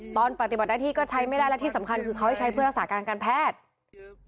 ปฏิบัติหน้าที่ก็ใช้ไม่ได้และที่สำคัญคือเขาให้ใช้เพื่อรักษาการการแพทย์